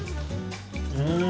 うん。